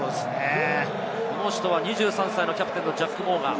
この人は２３歳、キャプテンのジャック・モーガン。